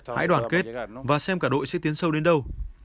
hãy đoàn kết và xem cả đội sẽ tiến sâu đến đâu